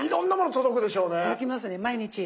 届きますね毎日。